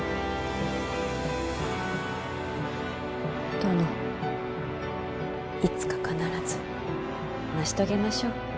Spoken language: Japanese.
殿いつか必ず成し遂げましょう。